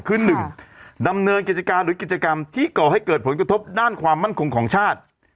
คือ๑ดำเนินกิจการหรือกิจกรรมที่ก่อให้เกิดผลกระทบด้านความมั่นคงของชาติ